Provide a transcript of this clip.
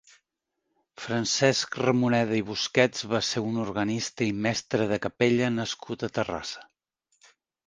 Francesc Ramoneda i Busquets va ser un organista i mestre de capella nascut a Terrassa.